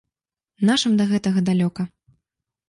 Нашым да гэтага далёка.